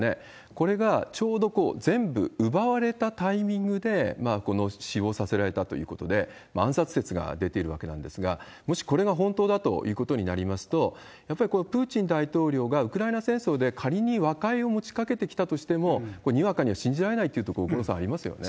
これがちょうど全部奪われたタイミングで、死亡させられたということで、暗殺説が出ているわけなんですが、もしこれが本当だということになりますと、やっぱりこのプーチン大統領がウクライナ戦争で、仮に和解を持ちかけてきたとしても、これ、にわかには信じられないというところ、五郎さん、ありますよね。